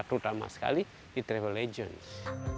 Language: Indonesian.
terutama sekali di travel legends